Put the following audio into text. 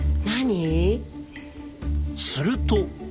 すると。